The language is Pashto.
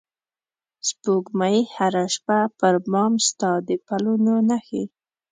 سپوږمۍ هره شپه پر بام ستا د پلونو نښې